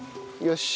よし！